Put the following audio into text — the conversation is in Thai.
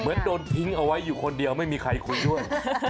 เหมือนโดนทิ้งเอาไว้อยู่คนเดียวไม่มีใครคุยด้วย